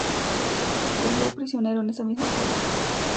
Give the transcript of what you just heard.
Cayó prisionero en esa misma cueva.